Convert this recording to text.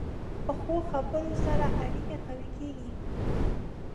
پخو خبرو سره اړیکې قوي کېږي